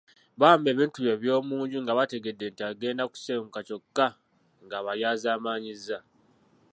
Baawamba ebintu bye eby’omu nju nga bategedde nti agenda kusenguka kyokka ng’abalyazaamaanyizza.